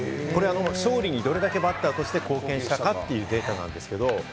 勝利にどれだけバッターとして貢献したかというデータなんですけれど。